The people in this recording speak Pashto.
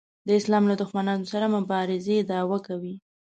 د اسلام له دښمنانو سره مبارزې دعوا کوي.